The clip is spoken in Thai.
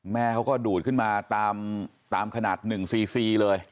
แม่เขาก็ดูดขึ้นมาตามขนาด๑๔๔เลย